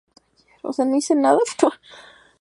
Su solución fue utilizar lustre.